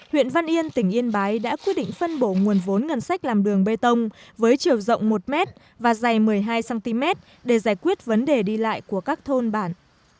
huyện văn yên tỉnh yên bái đã quyết định phân bổ nguồn vốn ngân sách làm đường bê tông với chiều rộng một m và dày một mươi hai cm để giải quyết vấn đề đi lại của các thôn bản